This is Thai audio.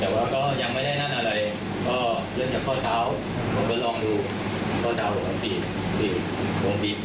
ว่าไม่ได้เนื้อพูดง่ายตอนตอนสีน้อยเพื่อเป็นวิจัย